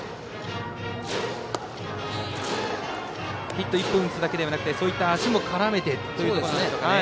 ヒット１本打つだけではなくて足も絡めてということですね。